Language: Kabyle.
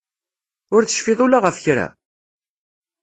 Ur tecfiḍ ula ɣef kra?